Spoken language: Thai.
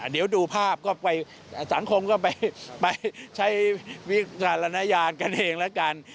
เดี๋ยวดูภาพก็ไปสังคมก็ไปใช้วิจารณญาณกันเองแล้วกัน